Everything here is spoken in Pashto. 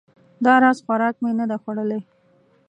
دا راز خوراک مې نه ده خوړلی